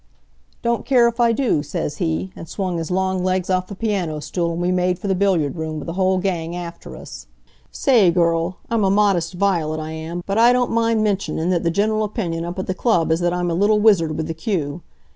"'Don't care if I do,' says he, and swung his long legs off the piano stool and we made for the billiard room, with the whole gang after us. Sa a ay, girl, I'm a modest violet, I am, but I don't mind mentionin' that the general opinion up at the club is that I'm a little wizard with the cue.